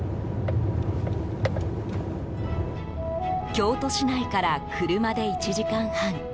京都市内から車で１時間半。